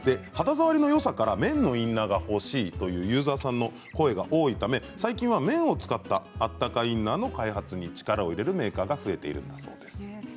肌触りのよさから綿のインナーが欲しいというユーザーさんの声が多いため最近は綿を使ったあったかインナーの開発に力を入れるメーカーが増えているんだそうです。